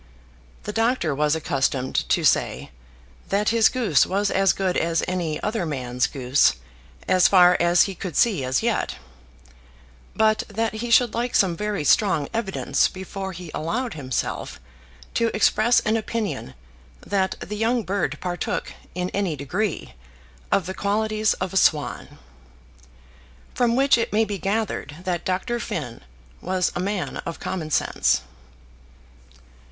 The doctor was accustomed to say that his goose was as good as any other man's goose, as far as he could see as yet; but that he should like some very strong evidence before he allowed himself to express an opinion that the young bird partook, in any degree, of the qualities of a swan. From which it may be gathered that Dr. Finn was a man of common sense.